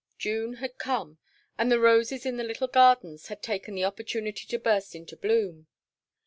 June had come and the roses in the little gardens had taken the opportunity to burst into bloom.